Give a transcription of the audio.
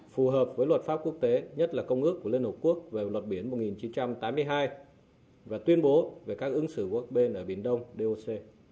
phù hợp với luật pháp quốc tế nhất là công ước của liên hợp quốc về luật biển một nghìn chín trăm tám mươi hai và tuyên bố về các ứng xử của các bên ở biển đông doc